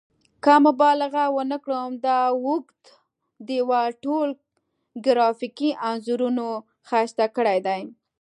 که مبالغه ونه کړم دا اوږد دیوال ټول ګرافیکي انځورونو ښایسته کړی دی.